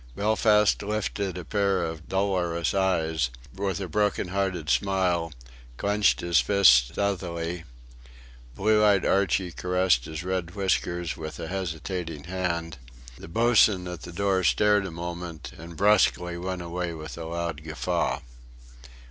Belfast lifted a pair of dolorous eyes, with a broken hearted smile, clenched his fists stealthily; blue eyed Archie caressed his red whiskers with a hesitating hand; the boatswain at the door stared a moment, and brusquely went away with a loud guffaw.